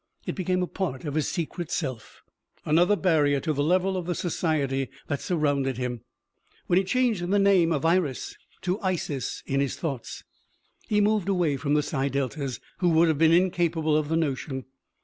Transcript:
It became a part of his secret self. Another barrier to the level of the society that surrounded him. When he changed the name of Iris to Isis in his thoughts, he moved away from the Psi Deltas, who would have been incapable of the notion.